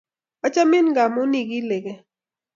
Achamin ngamun iki lee kee